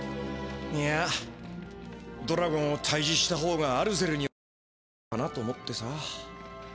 いやドラゴンをたいじしたほうがアルゼルにはよかったのかなと思ってさ。